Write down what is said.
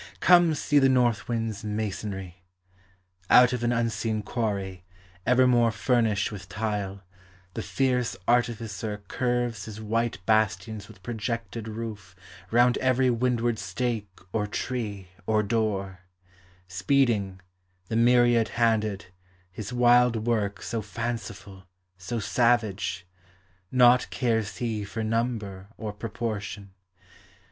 Come see the north wind's masonry! Out of an unseen quarry, evermore THE SEASONS. 177 Furnished with tile, the fierce artificer Curves his white bastions with projected roof Round every windward stake or tree or door; Speeding, the myriad handed, his wild work So fanciful, so savage; naught cares he For number or proportion.